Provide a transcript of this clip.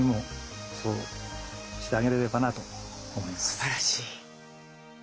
すばらしい！